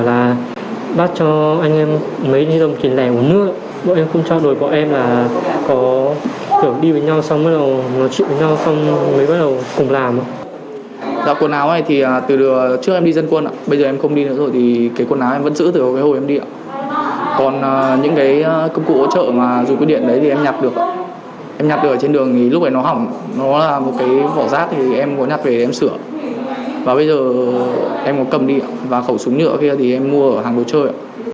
và bây giờ em có cầm đi và khẩu súng nhựa kia thì em mua ở hàng đồ chơi